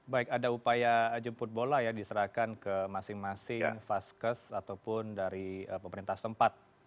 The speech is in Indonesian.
baik ada upaya jemput bola ya diserahkan ke masing masing vaskes ataupun dari pemerintah tempat